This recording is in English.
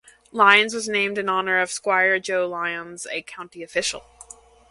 Lyons was named in honor of Squire Joe Lyons, a county official.